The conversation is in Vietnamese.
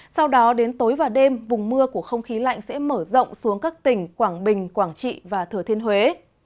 sau đó đến tối và đêm vùng mưa của không khí lạnh sẽ mở rộng xuống các tỉnh quảng bình quảng trị và thừa thiên huế